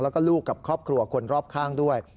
แล้วก็ลูกกับครอบครัวคนรอบข้างด้วย